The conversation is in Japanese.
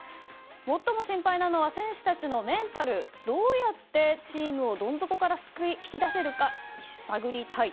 最も心配なのは選手たちのメンタルどうやってチームをどん底から引き出せるか探りたい。